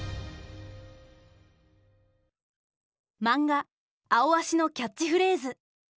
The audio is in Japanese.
マンガ「アオアシ」のキャッチフレーズ。